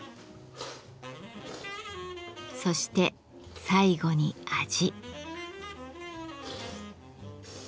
そして最後に味。